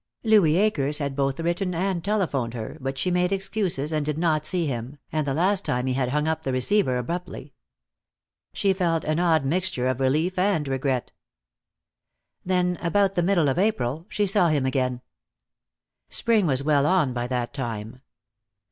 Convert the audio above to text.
Louis Akers had both written and telephoned her, but she made excuses, and did not see him, and the last time he had hung up the receiver abruptly. She felt an odd mixture of relief and regret. Then, about the middle of April, she saw him again. Spring was well on by that time.